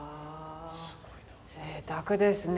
ぜいたくですね。